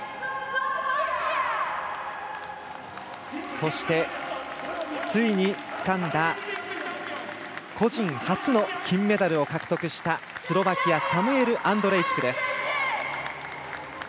そして、ついにつかんだ個人初の金メダルを獲得した、スロバキアサムエル・アンドレイチクです。